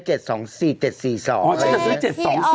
ฉันจะซื้อ๗๒๔